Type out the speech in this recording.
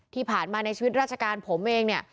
ที่ผ่านมาในชีวิตราชการผมเองเนี่ย